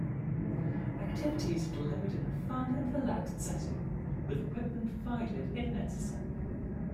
Activities are delivered in a fun and relaxed setting with equipment provided if necessary.